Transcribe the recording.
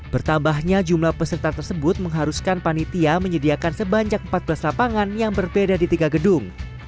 bertambahnya jumlah peserta tersebut mengharuskan panitia menyediakan sebanyak empat belas lapangan yang berbeda di tiga gedung